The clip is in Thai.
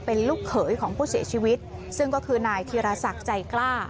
เป็นลูกเขยของผู้เสียชีวิตซึ่งก็คือนายธีรศักดิ์ใจกล้า